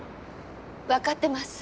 わかってます。